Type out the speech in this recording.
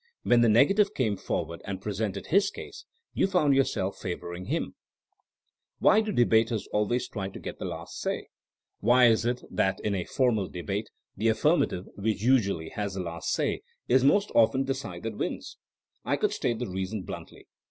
When the negative came forward and presented his case, you found yourself favoring him. ... Why do 158 THINEINO AS A 8CIEN0E debaters always try to get the last say? Why is it that in a formal debate, the affirmative, which usually has the last say, is most often the side that winsl I could state the reason bluntly.